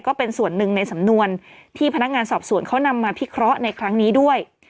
ก็เป็นส่วนหนึ่งในสำนวนที่พนักงานสอบสวนเขานำมาพิเคราะห์ในครั้งนี้ด้วย